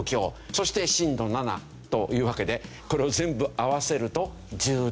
そして震度７というわけでこれを全部合わせると１０段階。